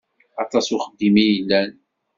Aṭas uxeddim i yellan.